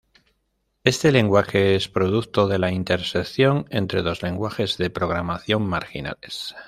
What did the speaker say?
Este lenguaje es producto de la intersección entre dos lenguajes de programación "marginales".